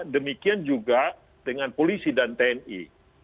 demikian juga dengan polisi dan tni